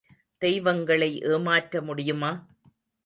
தெய்வங்களை ஏமாற்ற முடியுமா?